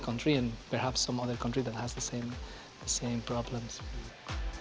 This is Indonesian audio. dan mungkin beberapa negara lain yang memiliki masalah yang sama